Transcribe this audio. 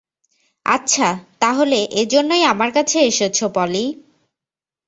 আচ্ছা, তাহলে, এজন্যই আমার কাছে এসেছো, পলি।